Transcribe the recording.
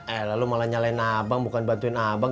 eh eh lo malah nyalain abang bukan bantuin abang